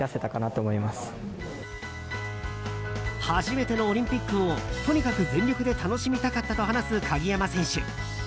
初めてのオリンピックをとにかく全力で楽しみたかったと話す鍵山選手。